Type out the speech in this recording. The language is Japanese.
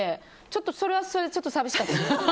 ちょっとそれはそれで寂しかったです。